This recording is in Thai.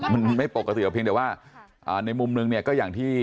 มันไม่ปกติเพียงแต่ว่าในมุมนึงเนี่ยก็อย่างที่